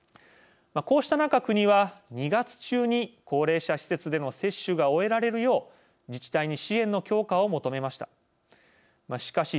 こうした中、国は２月中に高齢者施設での接種が終えられるよう自治体に支援の強化を求めました。